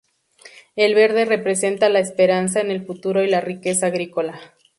El verde representa la esperanza en el futuro y la riqueza agrícola.